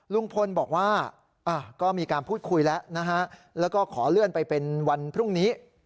ลุงพลบอกว่าก็มีการพูดคุยแล้วนะฮะแล้วก็ขอเลื่อนไปเป็นวันพรุ่งนี้